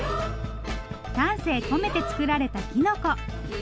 丹精込めて作られたきのこ。